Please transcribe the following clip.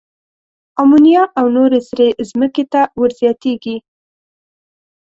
آمونیا او نورې سرې ځمکې ته ور زیاتیږي.